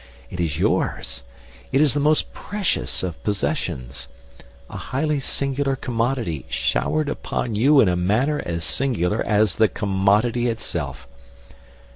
It is yours. It is the most precious of possessions. A highly singular commodity, showered upon you in a manner as singular as the commodity itself!